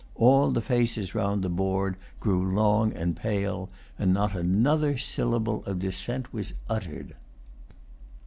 All the faces round the board grew long and pale; and not another syllable of dissent was uttered.